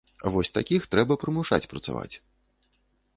Вось такіх трэба прымушаць працаваць.